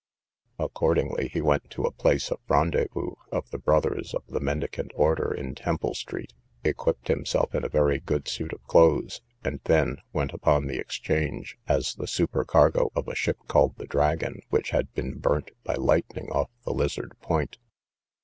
Accordingly he went to a place of rendezvous of the brothers of the mendicant order in Temple street, equipped himself in a very good suit of clothes, and then went upon the Exchange, as the supercargo of a ship called the Dragon, which had been burnt by lightning off the Lizard point.